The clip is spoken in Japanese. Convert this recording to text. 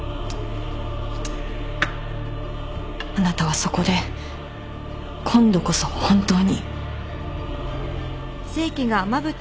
あなたはそこで今度こそ本当に。